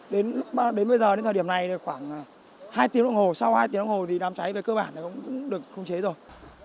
đến bây giờ đến thời điểm này khoảng hai tiếng đồng hồ sau hai tiếng đồng hồ đám cháy cơ bản cũng được khung chế rồi